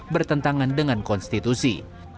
bertentangan dengan konstitusi